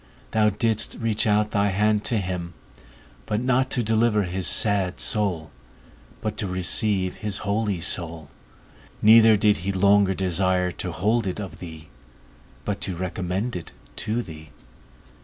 _ thou didst reach out thy hand to him; but not to deliver his sad soul, but to receive his holy soul: neither did he longer desire to hold it of thee, but to recommend it to thee.